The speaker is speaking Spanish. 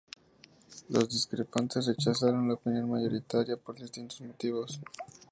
Los discrepantes rechazaron la opinión mayoritaria por distintos motivos.